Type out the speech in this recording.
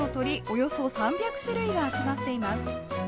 およそ３００種類が集まっています。